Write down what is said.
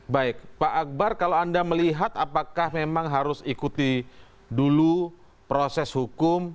baik pak akbar kalau anda melihat apakah memang harus ikuti dulu proses hukum